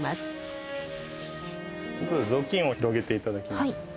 まず雑巾を広げて頂きます。